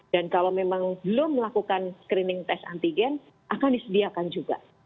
dan kalau memang belum melakukan screening test antigen akan disediakan juga